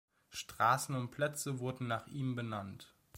Straßen und Plätze wurden nach ihm benannt.